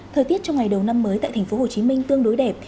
thời tiết trong ngày đầu năm mới tại tp hcm tương đối đẹp